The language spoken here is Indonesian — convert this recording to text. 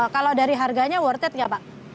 kalau dari harganya worth it gak pak